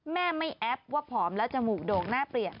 แม่ไม่แอปว่าผอมแล้วจมูกโด่งหน้าเปลี่ยน